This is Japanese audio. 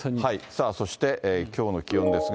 さあそして、きょうの気温ですが。